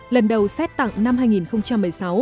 lần đầu xét tặng năm hai nghìn một mươi sáu